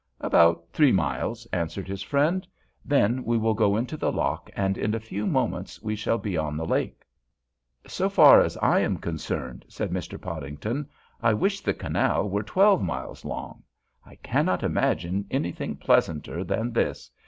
"About three miles," answered his friend. "Then we will go into the lock and in a few minutes we shall be on the lake." "So far as I am concerned," said Mr. Podington, "I wish the canal were twelve miles long. I cannot imagine anything pleasanter than this.